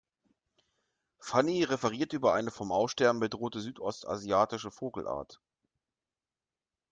Fanny referiert über eine vom Aussterben bedrohte südostasiatische Vogelart.